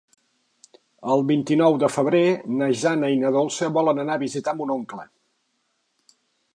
El vint-i-nou de febrer na Jana i na Dolça volen anar a visitar mon oncle.